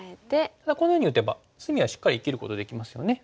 ただこんなふうに打てば隅はしっかり生きることできますよね。